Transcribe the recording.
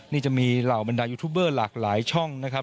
นี่จะมีเหล่าบรรดายูทูบเบอร์หลากหลายช่องนะครับ